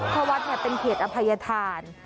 เพราะวัดเป็นเผียดอภัยธาน